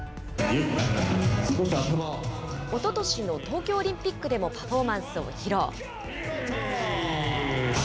おととしの東京オリンピックでもパフォーマンスを披露。